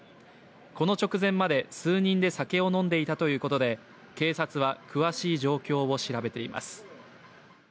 この直前まで数人で酒を飲んでいたということで警察は詳しい状況を調べています。